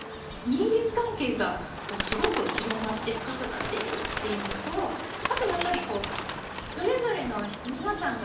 人間関係がすごく広まって深くなっていくっていうのとあとやっぱりそれぞれの皆さんが感じるものがすごくこう